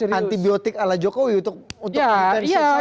jadi ini antibiotik ala jokowi untuk untuk intensif saja